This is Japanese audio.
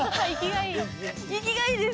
生きがいいです